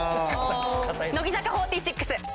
乃木坂４６。